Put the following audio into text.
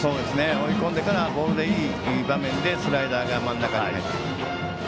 追い込んでからボールでいい場面でスライダーが真ん中に入って。